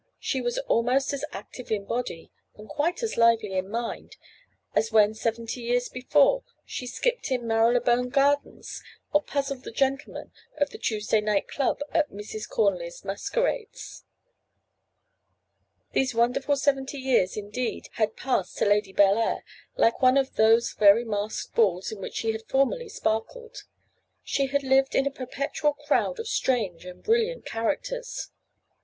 She was almost as active in body, and quite as lively in mind, as when seventy years before she skipped in Marylebone Gardens, or puzzled the gentlemen of the Tuesday Night Club at Mrs. Cornely's masquerades. These wonderful seventy years indeed had passed to Lady Bellair like one of those very masked balls in which she had formerly sparkled; she had lived in a perpetual crowd of strange and brilliant characters.